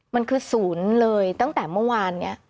มันคือศูนย์เลยตั้งแต่เมื่อวานนี้